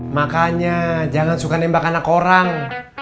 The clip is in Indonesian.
makanya jangan suka nembak anak orang